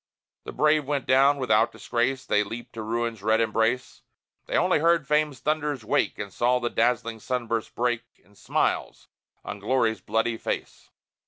The brave went down! Without disgrace They leaped to Ruin's red embrace; They only heard Fame's thunders wake, And saw the dazzling sunburst break In smiles on Glory's bloody face!